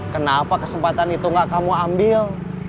kenapa kesempatan itu gak kamu ambil